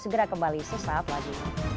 segera kembali sesaat lagi